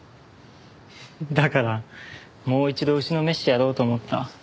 だからもう一度打ちのめしてやろうと思った。